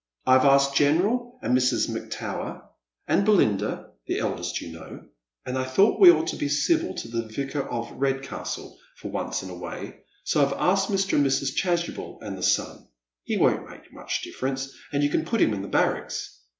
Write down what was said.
" I have asked General and Mrs. McTower and Belinda — the eldest, you know ;— and I thought we ought to be civil to the Vicar of Redcastle for once in a way, so I've asked Mr and Mrs. Chasubel and the son. He won't make mucl difference, and you can put him in the barracks."